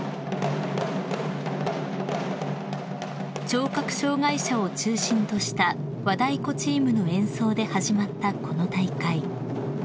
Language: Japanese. ［聴覚障害者を中心とした和太鼓チームの演奏で始まったこの大会］